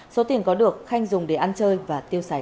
để tiếp tục làm sao